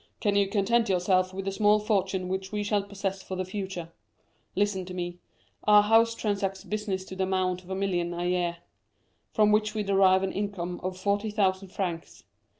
Can you content yourself with the small fortune which we shall possess for the future? Listen to me. Our house transacts business to the amount of a million a year, from which we derive an income of 40,000 francs.